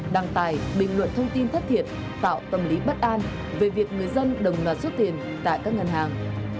đăng tài bình luận thông tin thất thiệt tạo tâm lý bất an về việc người dân đồng loạt rút tiền tại các ngân hàng